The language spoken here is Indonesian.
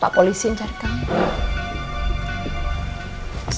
pak polisi nyariin kami